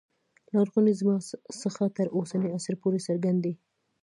لرغونې زمانې څخه تر اوسني عصر پورې څرګند دی.